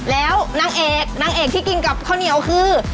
แล้วนางเอกนางเอกที่กินกับข้าวเหนียวคือ